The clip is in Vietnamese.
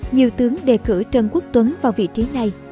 nhiều tướng đề cử trần quốc tuấn vào vị trí này